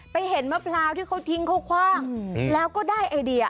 เห็นมะพร้าวที่เขาทิ้งเขาคว่างแล้วก็ได้ไอเดีย